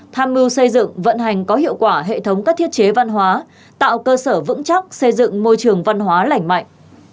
tham mưu xây dựng vận hành có hiệu quả hệ thống các thiết chế văn hóa tạo cơ sở vững chắc xây dựng môi trường văn hóa lành mạnh